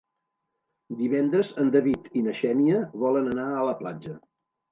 Divendres en David i na Xènia volen anar a la platja.